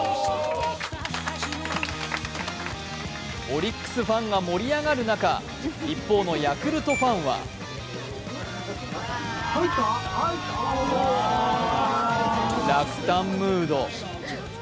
オリックスファンが盛り上がる中、一方のヤクルトファンは落胆ムード。